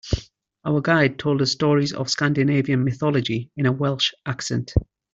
Our guide told us stories of Scandinavian mythology in a Welsh accent.